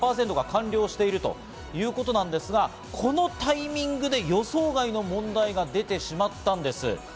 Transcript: ９５％が完了しているということなんですが、このタイミングで予想外の問題が出てしまったんです。